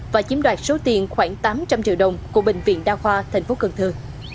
và chiếm đoạt số tiền khoảng tám trăm linh triệu đồng của bệnh viện đa khoa tp cần thơ